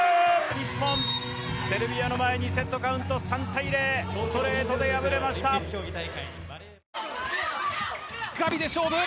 日本セルビアの前にセットカウント３対０ストレートで敗れましたガビで勝負！